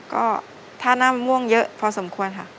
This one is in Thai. ก็ถ้าน้ำมะม่วงเยอะพอสมควรค่ะ